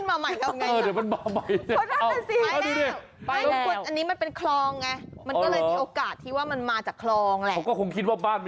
โอ้ยนี่ไงมันจะกัดอ่ะ